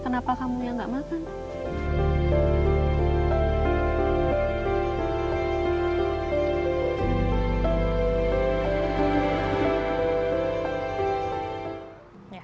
kenapa kamu yang nggak makan